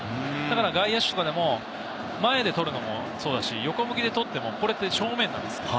外野手も前で取るのもそうだし、横向きで取っても、これって正面なんです。